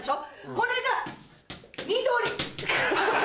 これが緑。